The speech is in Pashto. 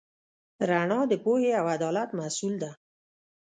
رڼا د پوهې او عدالت محصول ده.